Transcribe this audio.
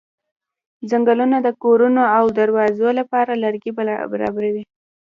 څنګلونه د کورونو او دروازو لپاره لرګي برابروي.